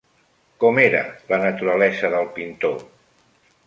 Com era la naturalesa del pintor?